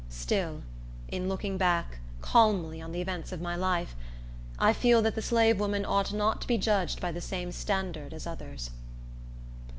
Still, in looking back, calmly, on the events of my life, I feel that the slave woman ought not to be judged by the same standard as others.